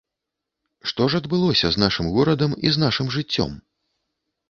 Што ж адбылося з нашым горадам і з нашым жыццём?